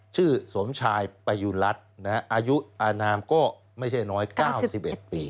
สมชายประยุรัฐอายุอนามก็ไม่ใช่น้อย๙๑ปี